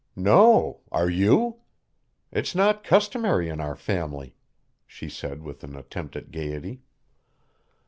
"No, are you? It's not customary in our family," she said with an attempt at gaiety.